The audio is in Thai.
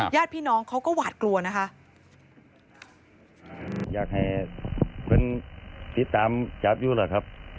ญาติพี่น้องเขาก็หวาดกลัวนะคะ